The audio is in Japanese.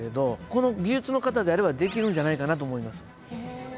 この技術の方であればできるんじゃないかなと思います。